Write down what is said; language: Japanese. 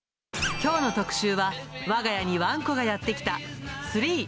きょうの特集は、わが家にわんこがやってきた３。